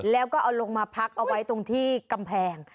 แล้วก็เอาลงมาพักเอาไว้ตรงที่กำแพง